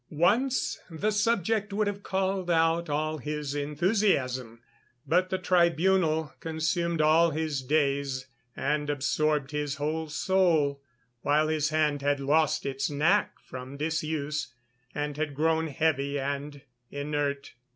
Once the subject would have called out all his enthusiasm, but the Tribunal consumed all his days and absorbed his whole soul, while his hand had lost its knack from disuse and had grown heavy and inert.